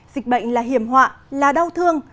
dịch bệnh là hiểm họa là đau thương